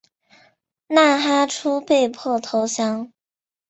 纳哈出被迫投降。